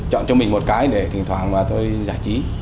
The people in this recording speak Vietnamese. chọn cho mình một cái để thỉnh thoảng là tôi giải trí